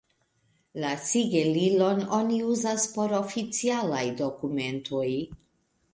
La sigelilon oni uzas por oficialaj dokumentoj.